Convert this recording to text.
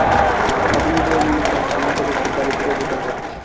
প্রাথমিক ভাবে মনে করা হচ্ছে, নিহত ব্যক্তির বাড়ি দূরে কোথাও হবে।